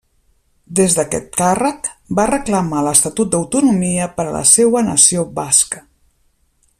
Des d'aquest càrrec, va reclamar l'estatut d'autonomia per a la seua nació basca.